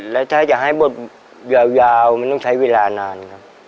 แล้วถ้าจะให้บทยาวมันต้องใช้เวลานานครับ